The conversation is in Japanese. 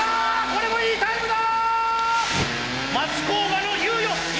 これもいいタイムだ！